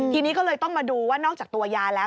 ทีนี้ก็เลยต้องมาดูว่านอกจากตัวยาแล้ว